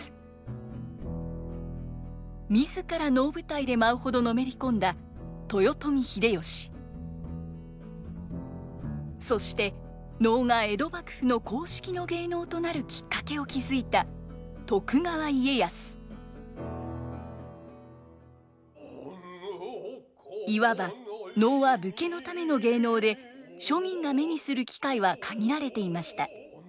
自ら能舞台で舞うほどのめり込んだそして能が江戸幕府の公式の芸能となるきっかけを築いたいわば能は庶民が目にする機会は限られていました。